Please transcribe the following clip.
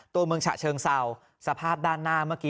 ตัวเมืองชะเชิงเซาสภาพด้านหน้า